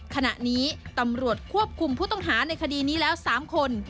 ขณะนี้ตำรวจควบคุมผู้ต้องหาในคดีนี้แล้ว๓คน